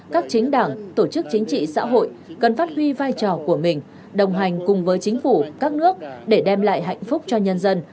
các chính đảng tổ chức chính trị xã hội cần phát huy vai trò của mình đồng hành cùng với chính phủ các nước để đem lại hạnh phúc cho nhân dân